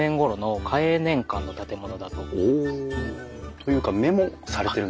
というかメモされてるんですね。